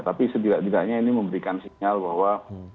tapi setidak tidaknya ini memberikan sinyal bahwa